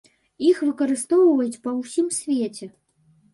Іх выкарыстоўваюць па ўсім свеце.